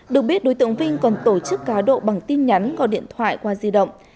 được biết đối tượng vinh còn tổ chức cá độ bằng tin nhắn gọi điện thoại qua di động